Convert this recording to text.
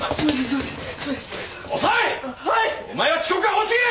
お前は遅刻が多過ぎる！